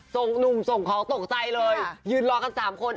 หนุ่มส่งของตกใจเลยยืนรอกันสามคน